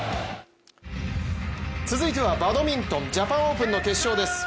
続いてはバドミントンジャパンオープンの決勝です。